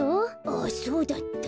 あっそうだった。